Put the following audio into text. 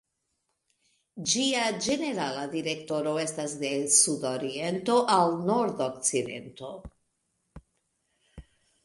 Ĝia ĝenerala direkto estas de sud-oriento al nord-okcidento.